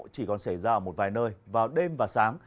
chỉ còn xảy ra ở một vài nơi vào đêm và sáng